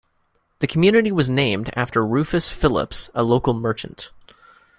The community was named after Rufus Phillips, a local merchant.